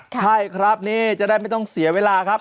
ใช่ครับนี่จะได้ไม่ต้องเสียเวลาครับ